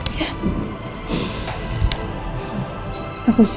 aku siap enggak siap